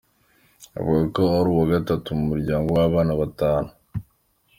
Avuka ari uwa gatatu mu muryango w’abana batanu.